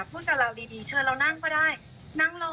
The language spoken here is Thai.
คือร่าสุดเลยนะคะ